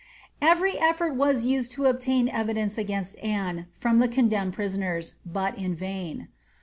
Every efibrt was used to obtain evidence against Anne from the con demned prisoners, but in vain.